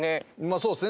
そうですね。